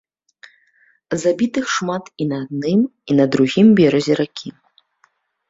Забітых шмат і на адным і на другім беразе ракі.